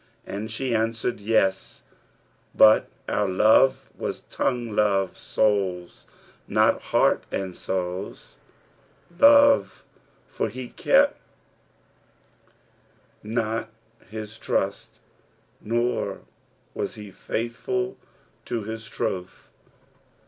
and she answered 'Yes, but our love was tongue love souls, not heart and souls love; for he kept not his trust nor was he faithful to his troth.'